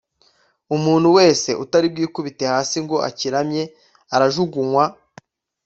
umuntu wese utari bwikubite hasi ngo akiramye arajugunywa